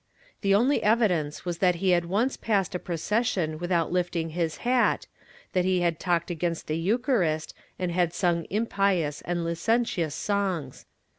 The only evidence was that he had once passed a procession without lifting his hat, that he had talked against the Eucharist and had sung impious and licentious songs.